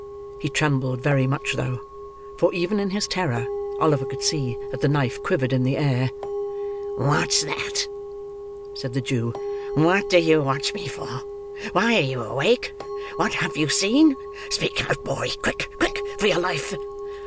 He trembled very much though; for, even in his terror, Oliver could see that the knife quivered in the air. "What's that?" said the Jew. "What do you watch me for? Why are you awake? What have you seen? Speak out, boy! Quick—quick! for your life."